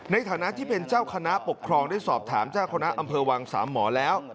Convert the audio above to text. ในฐานะที่เป็นเจ้าคณะปกครองได้สอบถามเจ้าคณะอำเภอวังสามหมอแล้ว